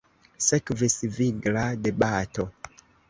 Sekvis vigla debato.